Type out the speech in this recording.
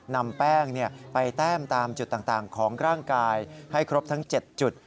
นำแป้งไปแต้มตามจุดต่างของร่างกายให้ครบทั้ง๗จุด